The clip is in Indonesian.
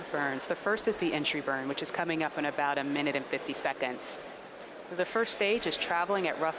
penyakit penarik ini akan menghasilkan gravitas dan mempercepat stage terbang dengan cepat